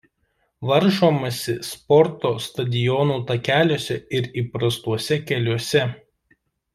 Varžomasi sporto stadionų takeliuose ir įprastuose keliuose.